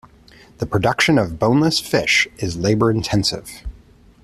The production of boneless fish is labor-intensive.